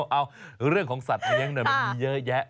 เอาเรื่องของสัตว์เลี้ยงหน่อยมันมีเยอะแยะ